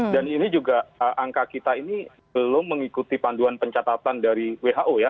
dan ini juga angka kita ini belum mengikuti panduan pencatatan dari who ya